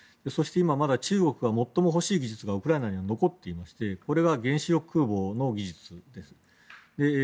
そして中国が最も欲しい技術がウクライナには残っていましてこれは原子力空母の技術です。